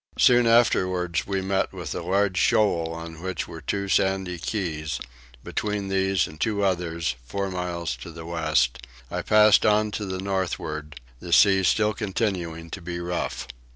Soon afterwards we met with a large shoal on which were two sandy keys; between these and two others, four miles to the west, I passed on to the northward, the sea still continuing to be rough.